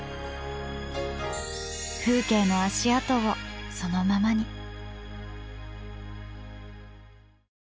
風景の足跡をそのままに。